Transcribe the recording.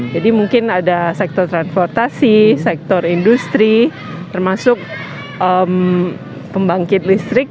jadi mungkin ada sektor transportasi sektor industri termasuk pembangkit listrik